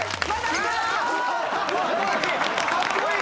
かっこいい！